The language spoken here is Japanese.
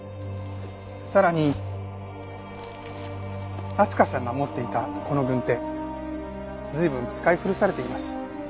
さらに明日香さんが持っていたこの軍手随分使い古されています。